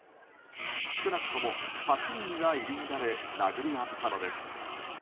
少なくとも８人が入り乱れ殴り合ったのです。